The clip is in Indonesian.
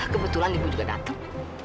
kebetulan ibu juga datang